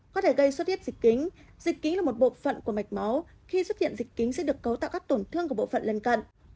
có thể gây xuất huyết dịch kính dịch ký là một bộ phận của mạch máu khi xuất hiện dịch kính sẽ được cấu tạo các tổn thương của bộ phận lần cận